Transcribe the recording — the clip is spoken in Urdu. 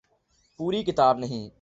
پوری کتاب نہیں۔